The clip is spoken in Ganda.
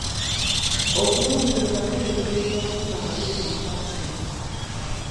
Okunoonyereza kugendererwa okufuna amagezi amaggya.